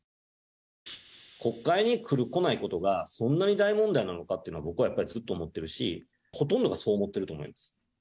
国会に来る、来ないことが、そんなに大問題なのかっていうのは、僕はやっぱりずっと思ってるし、ほとんどがそう思ってると思います。